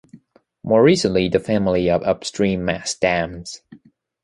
More recently, the family of upstream mask dams.